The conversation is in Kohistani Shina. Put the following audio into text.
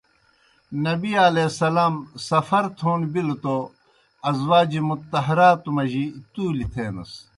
نبی علیہ السلام سفر تھون بِلہ توْ ازواج مطہراتو مجی تُولیْ تھینَس۔